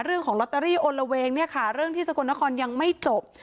เรื่องของลอตเตอรี่อลละเวงเนี่ยค่ะเรื่องที่สกลนครยังไม่จบ